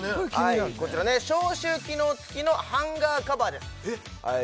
こちらね消臭機能つきのハンガーカバーです